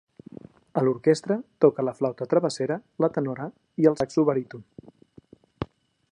A l'orquestra toca la flauta travessera, la tenora i el saxo baríton.